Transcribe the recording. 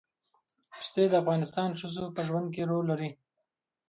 ښتې د افغان ښځو په ژوند کې رول لري.